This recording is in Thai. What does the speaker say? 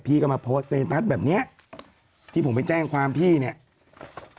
พี่ก็มาโพสต์ในตัสแบบเนี้ยที่ผมไปแจ้งความพี่เนี่ย